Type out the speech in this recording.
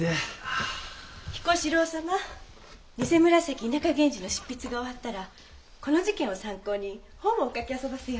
彦四郎様「偐紫田舎源氏」の執筆が終わったらこの事件を参考に本をお書きあそばせよ。